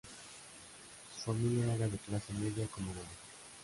Su familia era de clase media acomodada.